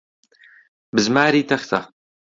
بزماری تەختە.